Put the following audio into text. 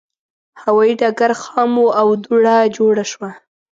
هوایي ډګر خام و او دوړه جوړه شوه.